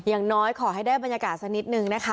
อย่างน้อยขอให้ได้บรรยากาศสักนิดนึงนะคะ